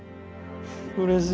うれしい！